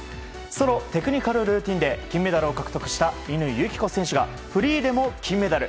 ソロ・テクニカルルーティンで金メダルを獲得した乾友紀子選手がフリーでも金メダル。